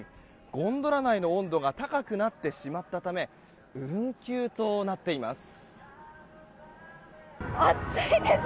ゴンドラ内の温度が高くなってしまったため運休となっています。